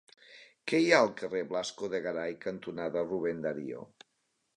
Què hi ha al carrer Blasco de Garay cantonada Rubén Darío?